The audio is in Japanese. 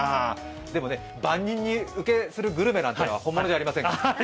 でもね、番人受けするグルメなんて本物じゃありませんから。